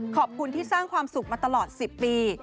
ขอบคุณที่สร้างความสุขมาตลอด๑๐ปี